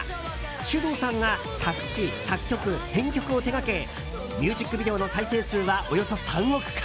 ｓｙｕｄｏｕさんが作詞・作曲・編曲を手掛けミュージックビデオの再生数はおよそ３億回。